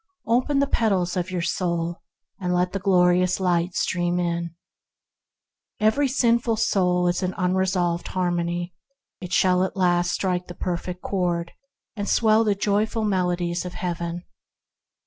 Open the petals of your soul and let the glorious Light stream in. Every soul is a resolved harmony. It shall at last strike the Perfect Chord, and swell the joyful melodies of Heaven.